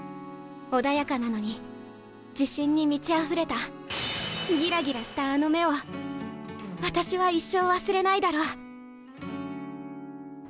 穏やかなのに自信に満ちあふれたギラギラしたあの目を私は一生忘れないだろう。